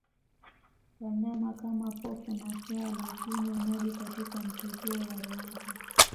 Wanyama kama Pofu na swala hunywa maji katika mto huo wa Ruaha